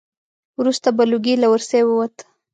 وروسته به لوګی له ورسی ووت.